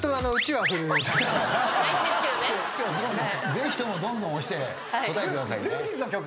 ぜひともどんどん押して答えてくださいね。